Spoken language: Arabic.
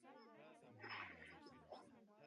سأساعدك يا صاح.